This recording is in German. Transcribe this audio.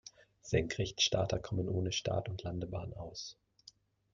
Senkrechtstarter kommen ohne Start- und Landebahn aus.